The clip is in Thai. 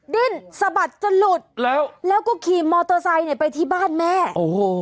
ดิ้นสะบัดจนหลุดแล้วแล้วก็ขี่มอเตอร์ไซค์เนี่ยไปที่บ้านแม่โอ้โห